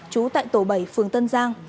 chú tại tổ bảy phường tân giang